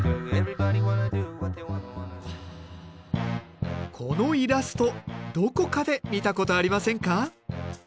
このイラストどこかで見たことありませんか？